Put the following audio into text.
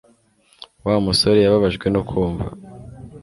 Wa musore yababajwe no kumva